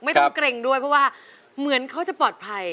เกร็งด้วยเพราะว่าเหมือนเขาจะปลอดภัย